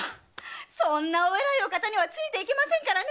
そんなお偉いお方にはついていけませんからね！